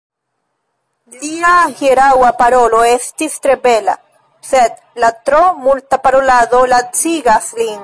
Lia hieraŭa parolo estis tre bela, sed la tro multa parolado lacigas lin.